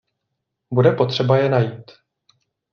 Bude potřeba je najít.